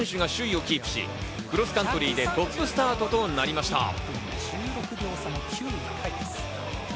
山本選手が首位をキープし、クロスカントリーでトップスタートとなりました。